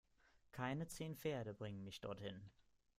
Keine zehn Pferde bringen mich dorthin!